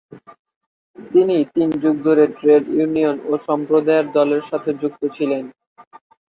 তিনি তিন যুগ ধরে ট্রেড ইউনিয়ন এবং সম্প্রদায়ের দলের সাথে যুক্ত ছিলেন।